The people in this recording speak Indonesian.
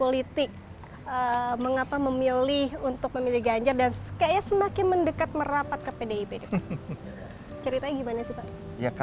ceritanya gimana sih pak